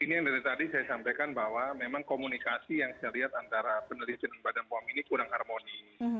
ini yang dari tadi saya sampaikan bahwa memang komunikasi yang saya lihat antara peneliti dan badan pom ini kurang harmoni